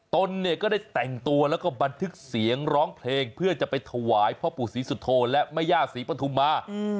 ตนเนี่ยก็ได้แต่งตัวแล้วก็บันทึกเสียงร้องเพลงเพื่อจะไปถวายพ่อปู่ศรีสุโธและแม่ย่าศรีปฐุมา